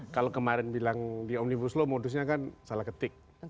kalau kemarin bilang di omnibus law modusnya kan salah ketik